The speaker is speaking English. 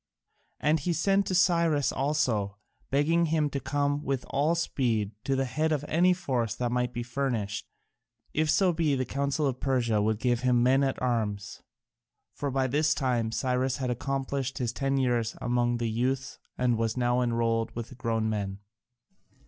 And he sent to Cyrus also, begging him to come with all speed at the head of any force that might be furnished, if so be the Council of Persia would give him men at arms. For by this time Cyrus had accomplished his ten years among the youths and was now enrolled with the grown men.